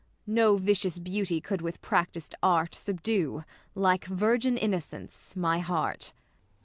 No vicious beauty could with practised art. Subdue, like virgin innocence, my heart.